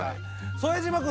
副島君